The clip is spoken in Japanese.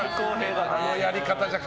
あのやり方じゃな。